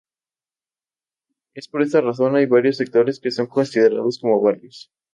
Es por esta razón hay varios sectores que son considerados como barrios.